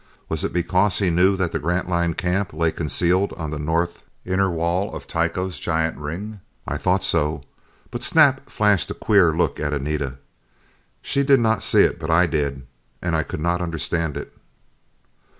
Was it because he knew that the Grantline camp lay concealed on the north inner wall of Tycho's giant ring? I thought so. But Snap flashed a queer look at Anita. She did not see it, but I did. And I could not understand it.